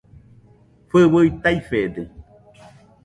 Fɨui taifede